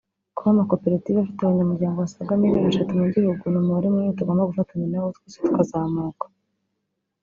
kuba amakoperative afite abanyamuryango basaga miliyoni eshatu mu gihugu ni umubare munini tugomba gufatanya na wo twese tukazamuka